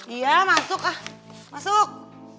iya masuk masuk